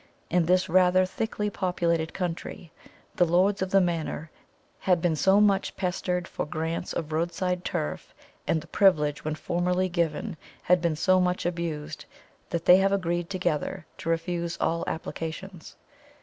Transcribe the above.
In this rather thickly populated country the lords of the manor had been so much pestered for grants of road side turf, and the privilege when formerly given had been so much abused, that they have agreed together to refuse all applications.